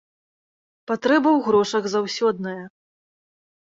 Патрэба ў грошах заўсёдная.